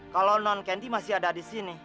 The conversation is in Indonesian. kalau non candi masih ada di sini